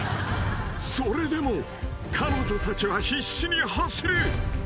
［それでも彼女たちは必死に走る］